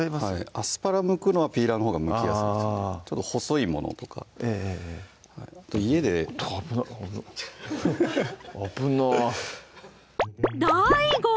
アスパラむくのはピーラーのほうがむきやすいです細いものとかええええええ家でおっと危なっ危なっ危なＤＡＩＧＯ！